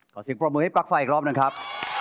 เสียงปรบมือให้ปลั๊กไฟอีกรอบหนึ่งครับ